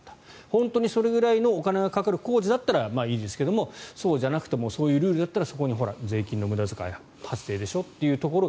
本当にそれぐらいのお金がかかる工事だったらいいんですがそうじゃなくてそういうルールだったらそこに税金の無駄遣い発生でしょと。